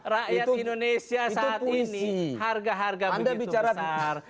rakyat indonesia saat ini harga harga begitu besar